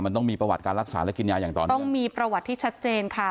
มันต้องมีประวัติการรักษาและกินยาอย่างต่อเนื่องต้องมีประวัติที่ชัดเจนค่ะ